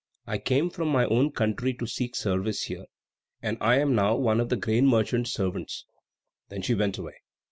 "I came from my own country to seek service here, and I am now one of the grain merchant's servants." Then she went away.